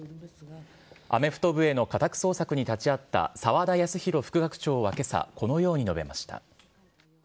アメフト部への家宅捜索に立ち会った澤田康広副学長はけさ、このように述べました。